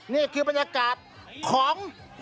นี่คือบรรยากาศของ